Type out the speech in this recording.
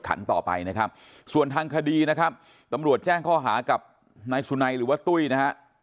ขันต่อไปนะครับส่วนทางคดีนะครับตำรวจแจ้งข้อหากับนายสุนัยหรือว่าตุ้ยนะฮะ